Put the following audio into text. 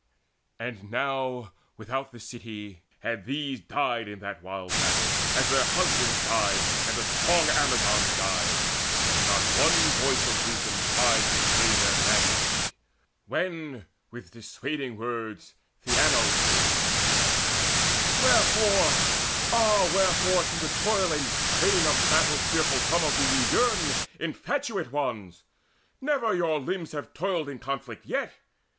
And now without the city these had died In that wild battle, as their husbands died And the strong Amazons died, had not one voice Of wisdom cried to stay their maddened feet, When with dissuading words Theano spake: "Wherefore, ah wherefore for the toil and strain Of battle's fearful tumult do ye yearn, Infatuate ones? Never your limbs have toiled In conflict yet.